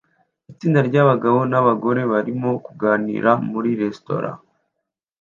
Itsinda ryabagabo nabagore barimo kuganira muri resitora